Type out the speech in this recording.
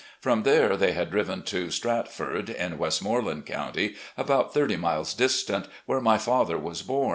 From there they had driven to " Stratford," in Westmore land Cotmty, about thirty miles distant, where my father was bom.